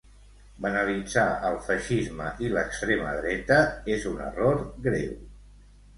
Banalitzar el feixisme i l’extrema dreta és un error greu.